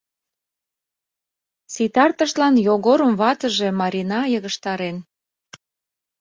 Ситартышлан Йогорым ватыже, Марина, йыгыжтарен.